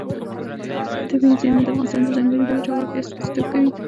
طبیعي زیرمې د افغانستان د ځانګړي ډول جغرافیه استازیتوب کوي.